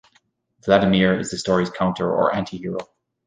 Vladimir is the story's counter or Antihero.